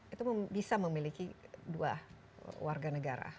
itu bisa memiliki dua warga negara